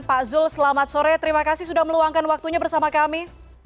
pak zul selamat sore terima kasih sudah meluangkan waktunya bersama kami